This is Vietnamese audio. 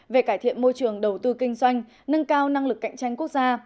về cải thiện môi trường đầu tư kinh doanh nâng cao năng lực cạnh tranh quốc gia